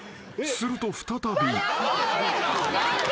［すると再び］